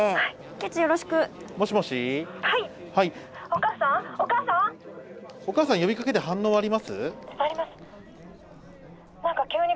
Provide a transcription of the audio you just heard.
おかあさん呼びかけて反応はあります？